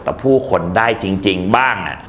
แต่ผู้คนได้จริงบ้างอ่ะ